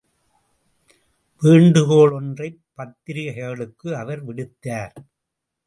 வேண்டுகோள் ஒன்றைப் பத்திரிகைகளுக்கு அவர் விடுத்தார்.